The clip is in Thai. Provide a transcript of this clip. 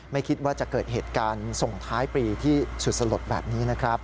ไม่คิดว่าจะเกิดเหตุการณ์ส่งท้ายปีที่สุดสลดแบบนี้นะครับ